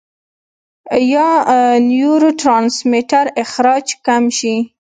يا نيوروټرانسميټر اخراج کم شي -